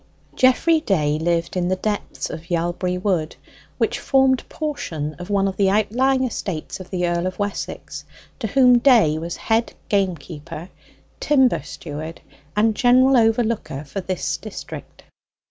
Geoffrey Day lived in the depths of Yalbury Wood, which formed portion of one of the outlying estates of the Earl of Wessex, to whom Day was head game keeper, timber steward, and general overlooker for this district.